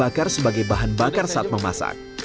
dan bakar sebagai bahan bakar saat memasak